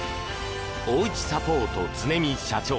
おうちサポートつねみ社長